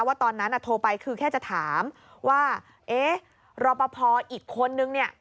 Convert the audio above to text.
ตอนนั้นโทรไปคือแค่จะถามว่าเอ๊ะรอปภอีกคนนึงเนี่ย